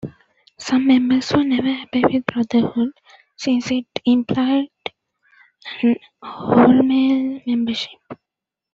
Some members were never happy with "brotherhood", since it implied an all-male membership.